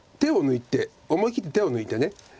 思い切って手を抜いて。